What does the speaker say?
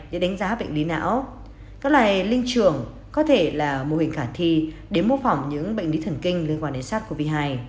các loài linh trưởng có thể là mô hình khả thi để mô phỏng những bệnh lý thần kinh liên quan đến sars cov hai